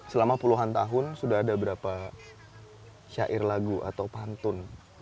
selama puluhan tahun sudah ada berapa syair lagu atau pantun